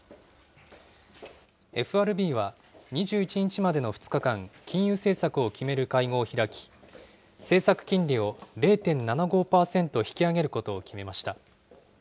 ＦＲＢは２１日までの２日間、金融政策を決める会合を開き、政策金利を０．７５％引き上げることを決めました。